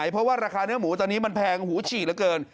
เพราะว่าราคาเนื้อหมูตอนนี้มันแพงหูฉี่เหลือเกิน